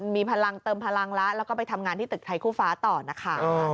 มีพลังเติมพลังแล้วแล้วก็ไปทำงานที่ตึกไทยคู่ฟ้าต่อนะคะ